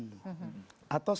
atau saya pergi umum